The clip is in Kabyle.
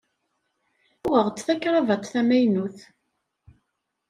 Uɣeɣ-d takravat tamaynut.